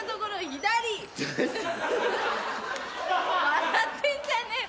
笑ってんじゃねえ！